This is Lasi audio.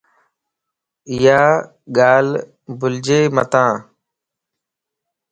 ايا ڳالھ بلجي متان